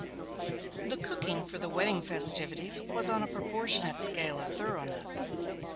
The cooking for the wedding festivities was on a proportionate scale of thoroughness.